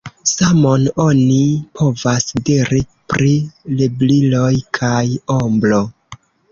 Samon oni povas diri pri rebriloj kaj ombro.